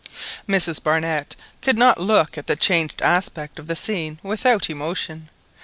Mrs Barnett could not look at the changed aspect of the scene without emotion.